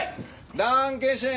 ダンケシェーン。